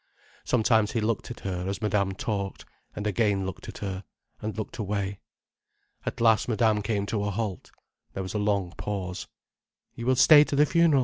Sometimes he looked at her, as Madame talked, and again looked at her, and looked away. At last Madame came to a halt. There was a long pause. "You will stay to the funeral?"